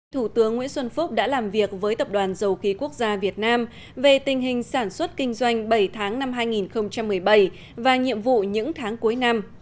thủ tướng nguyễn xuân phúc đã làm việc với tập đoàn dầu khí quốc gia việt nam về tình hình sản xuất kinh doanh bảy tháng năm hai nghìn một mươi bảy và nhiệm vụ những tháng cuối năm